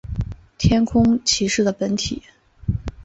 天空骑士的本体。